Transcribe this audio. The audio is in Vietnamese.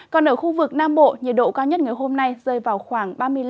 còn ở khu vực nam bộ nhiệt độ cao nhất ngày hôm nay rơi vào khoảng